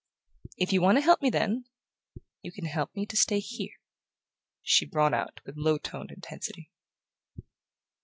"If you want to help me, then you can help me to stay here," she brought out with low toned intensity.